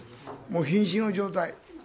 もうひん死の状態。